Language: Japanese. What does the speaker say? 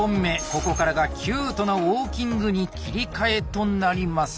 ここからがキュートなウォーキングに切り替えとなります。